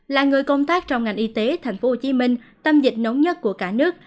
là người công tác trong ngành y tế thành phố hồ chí minh tâm dịch nóng nhất của cả nước